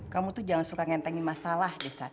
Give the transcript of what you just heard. kamu tuh jangan suka ngentengin masalah deh sat